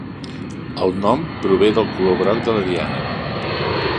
El nom prové del color groc de la diana.